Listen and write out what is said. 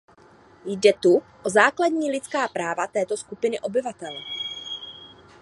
Jde tu o základní lidská práva této skupiny obyvatel.